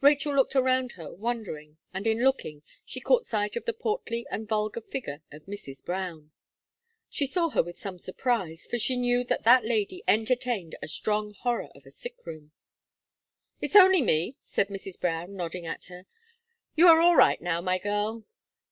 Rachel looked around her wondering, and in looking, she caught sight of the portly and vulgar figure of Mrs. Brown; she saw her with some surprise, for she knew that that lady entertained a strong horror of a sick room. "It's only me!" said Mrs. Brown, nodding at her. "You are all right now, my girl."